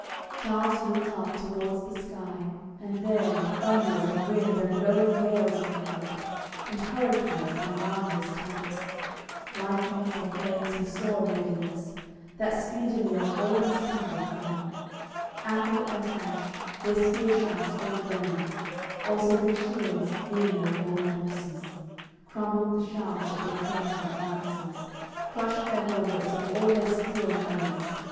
Charles looked up towards the sky, and there Thunders and winds and blowing gales beheld, And hurricanes and marvellous tempests; Lightnings and flames he saw in readiness, That speedily on all his people fell; Apple and ash, their spear shafts all burned, Also their shields, e'en the golden bosses, Crumbled the shafts of their trenchant lances, Crushed their hauberks and all their steel helmets.